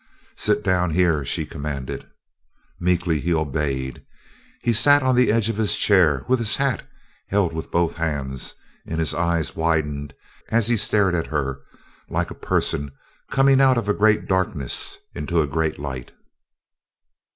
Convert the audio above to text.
"Sit down here!" she commanded. Meekly he obeyed. He sat on the edge of his chair, with his hat held with both hands, and his eyes widened as he stared at her like a person coming out of a great darkness into a great light.